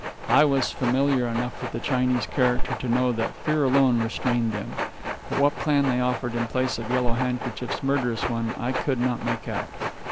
I was familiar enough with the Chinese character to know that fear alone restrained them. But what plan they offered in place of Yellow Handkerchief's murderous one, I could not make out.